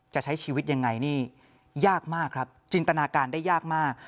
จะใช้ชีวิตยังไงนี่ยากมากครับจินตนาการได้ยากมาก